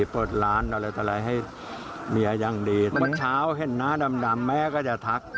พักเช้าเห็นน่าดำแม่ก็จะทัก